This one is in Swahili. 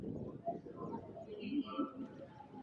nani ee figo inaendeleaje